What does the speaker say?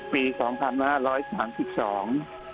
ปีสองพรรณะร้อยสามสิบสองในราคาว่าจ้างกันหมดสี่พันบาท